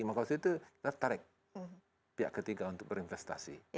maka waktu itu tertarik pihak ketiga untuk berinvestasi